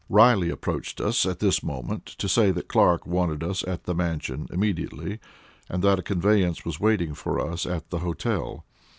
Reilly approached us at this moment to say that Clark wanted us at the Mansion immediately, and that a conveyance was waiting for us at the hotel.